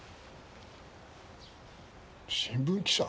新聞記者？